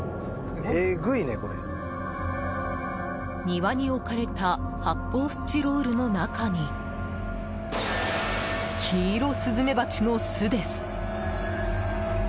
庭に置かれた発泡スチロールの中にキイロスズメバチの巣です。